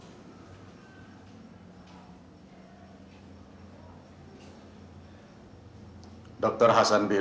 sehingga bisa berbuat hal yang aneh aneh